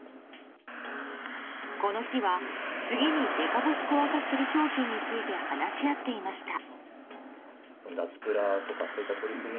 この日は次にデカボスコア化する商品について話し合っていました。